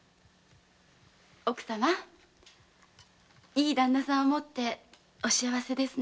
奥様いいダンナ様を持ってお幸せですね。